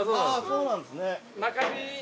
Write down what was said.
そうなんですね。